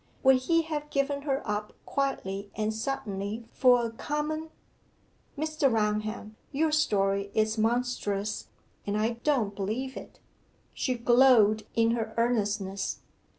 Would he have given her up quietly and suddenly for a common Mr. Raunham, your story is monstrous, and I don't believe it!' She glowed in her earnestness.